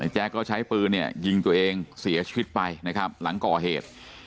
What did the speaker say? แจ๊กก็ใช้ปืนเนี่ยยิงตัวเองเสียชีวิตไปนะครับหลังก่อเหตุ